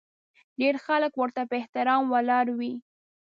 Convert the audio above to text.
ډېر خلک ورته په احترام ولاړ وي.